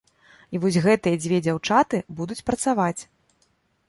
І вось гэтыя дзве дзяўчаты будуць працаваць.